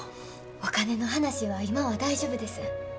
お金の話は今は大丈夫です。